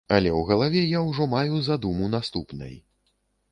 Але ў галаве я ўжо маю задуму наступнай.